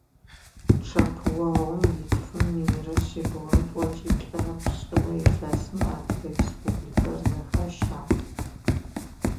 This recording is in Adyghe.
Чъэпыогъум итфым минрэ шъибгьурэ тӀокӀиплӀырэ пшӀырэ илъэсым Адыгэ Республикэр зэхащагъ.